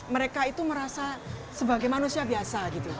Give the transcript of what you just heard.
mereka itu merasa sebagai manusia biasa gitu